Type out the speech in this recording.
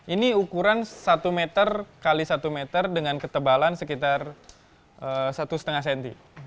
ini ukuran satu meter x satu meter dengan ketebalan sekitar satu lima cm